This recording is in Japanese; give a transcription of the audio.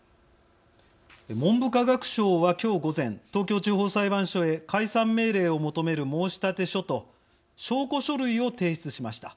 文部科学省は今日午前東京地方裁判所へ解散命令を求める申立書と証拠書類を提出しました。